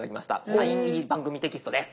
サイン入り番組テキストです。